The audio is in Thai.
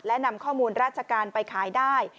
และนำข้อมูลราชการไปขายได้